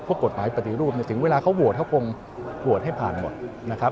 กฎหมายปฏิรูปเนี่ยถึงเวลาเขาโหวตเขาคงโหวตให้ผ่านหมดนะครับ